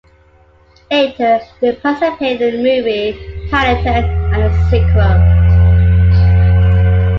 Later, they participated in the movie “Paddington” and its sequel.